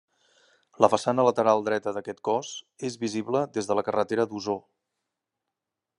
La façana lateral dreta d'aquest cos, és visible des de la carretera d'Osor.